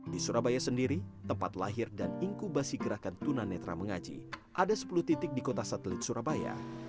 di surabaya sendiri tempat lahir dan inkubasi gerakan tunanetra mengaji ada sepuluh titik di kota satelit surabaya